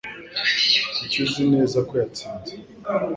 Kuki uzi neza ko yatsinze?